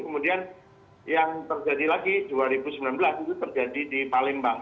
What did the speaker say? kemudian yang terjadi lagi dua ribu sembilan belas itu terjadi di palembang